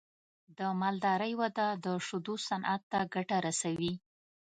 د مالدارۍ وده د شیدو صنعت ته ګټه رسوي.